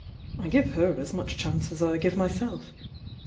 I give her as much chance as I give myself.